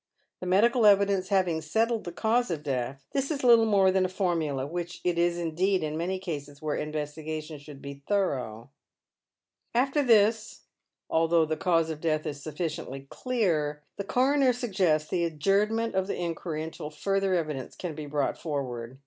Tlie medical evidence having settled the cause of death, this is little more than a formula, which it is indeed in many cases where investigation should be thorough. SIO Dead Men's Shoes. After tliis, although the cause of death is sufficiently clear, the coroner suggests the adjournment of the inquiry until further evidence can be brought forward.